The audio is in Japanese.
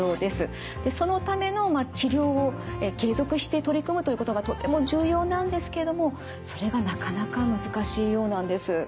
そのための治療を継続して取り組むということがとても重要なんですけれどもそれがなかなか難しいようなんです。